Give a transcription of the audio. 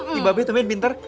mbak be tuh main pinter